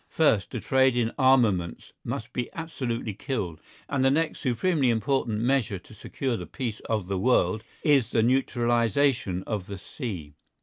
First, the trade in armaments must be absolutely killed. And then the next supremely important measure to secure the peace of the world is the neutralisation of the sea.